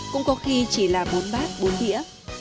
cũng có khi chỉ là bốn bát bốn đĩa